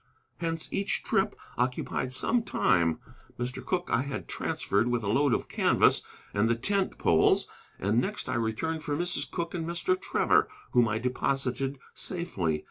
Hence each trip occupied some time. Mr. Cooke I had transferred with a load of canvas and the tent poles, and next I returned for Mrs. Cooke and Mr. Trevor, whom I deposited safely.